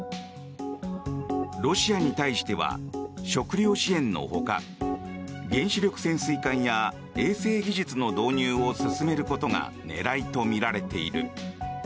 ロシアに対しては食糧支援のほか原子力潜水艦や衛星技術の導入を進めることが狙いとみられている。